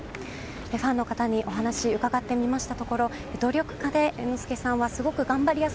ファンの方にお話を伺ってみました